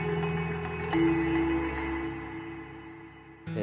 え